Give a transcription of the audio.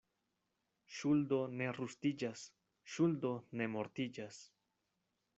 Ŝuldo ne rustiĝas, ŝuldo ne mortiĝas.